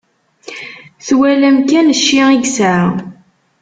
Twalam kan cci i yesɛa.